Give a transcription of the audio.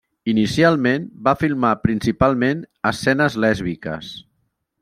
Inicialment va filmar principalment escenes lèsbiques.